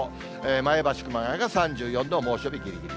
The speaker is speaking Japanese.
前橋、熊谷が３４度、猛暑日ぎりぎり。